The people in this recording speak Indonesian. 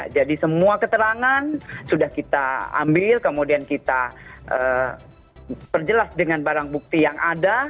jadi semua keterangan sudah kita ambil kemudian kita perjelas dengan barang bukti yang ada